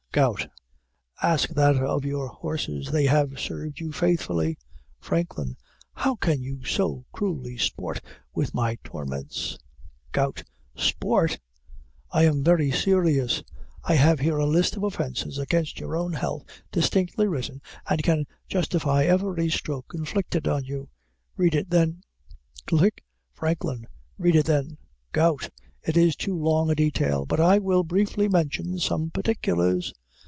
GOUT. Ask that of your horses; they have served you faithfully. FRANKLIN. How can you so cruelly sport with my torments? GOUT. Sport! I am very serious. I have here a list of offenses against your own health distinctly written, and can justify every stroke inflicted on you. FRANKLIN. Read it then. GOUT. It is too long a detail; but I will briefly mention some particulars.